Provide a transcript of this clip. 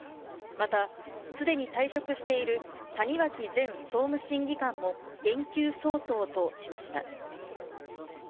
また、すでに退職している谷脇前総務審議官も、減給相当としました。